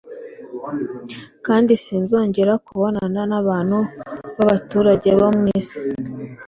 kandi sinzongera kubonana n'abantu b'abaturage bo mu isi